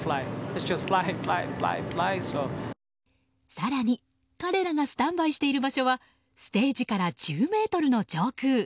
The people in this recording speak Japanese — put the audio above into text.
更に彼らがスタンバイしている場所はステージから１０ｍの上空。